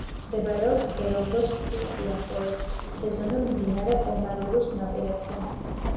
მდებარეობს ერონგოს მთის სიახლოვეს, სეზონურ მდინარე ომარურუს ნაპირებზე.